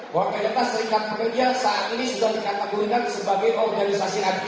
wakilnya pas seringkan pekerjaan saat ini sudah dikategorikan sebagai organisasi adik